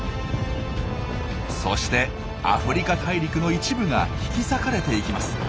そしてアフリカ大陸の一部が引き裂かれていきます。